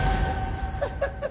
ハハハハ！